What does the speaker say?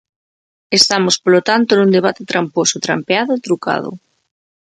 Estamos, polo tanto, nun debate tramposo, trampeado e trucado.